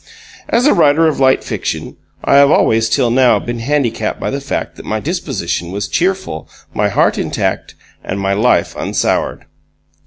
As a writer of light fiction, I have always till now been handicapped by the fact that my disposition was cheerful, my heart intact, and my life unsoured.